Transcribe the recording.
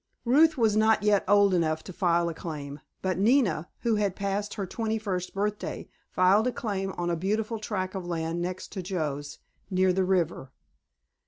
Ruth was not yet old enough to file a claim, but Nina, who had passed her twenty first birthday, filed a claim on a beautiful tract of land next to Joe's, near the river.